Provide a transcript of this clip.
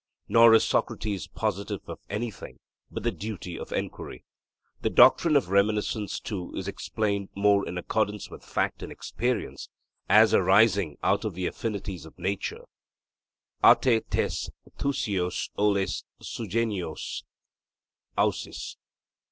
Nor is Socrates positive of anything but the duty of enquiry. The doctrine of reminiscence too is explained more in accordance with fact and experience as arising out of the affinities of nature (ate tes thuseos oles suggenous ouses).